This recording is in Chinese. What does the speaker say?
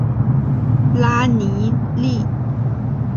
拉尼利。